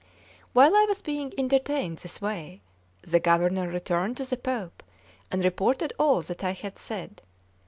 While I was being entertained in this way, the Governor returned to the Pope, and reported all that I had said.